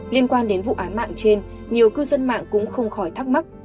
liên quan đến vụ án mạng trên nhiều cư dân mạng cũng không khỏi thắc mắc